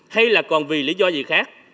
hay là còn vì lý do gì khác